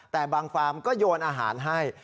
แต่บางฟาร์มก็โยนอาหารให้